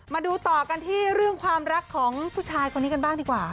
มาดูต่อกันที่เรื่องความรักของผู้ชายคนนี้กันบ้างดีกว่า